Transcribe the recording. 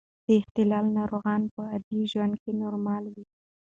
د اختلال ناروغان په عادي ژوند کې نورمال وي.